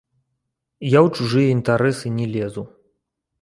Я ў чужыя інтарэсы не лезу.